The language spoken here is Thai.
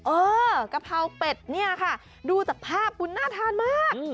เออกะเพราเป็ดเนี่ยค่ะดูจากภาพคุณน่าทานมาก